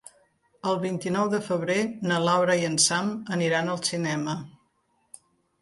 El vint-i-nou de febrer na Laura i en Sam aniran al cinema.